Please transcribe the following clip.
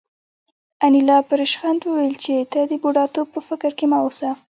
انیلا په ریشخند وویل چې ته د بوډاتوب په فکر کې مه اوسه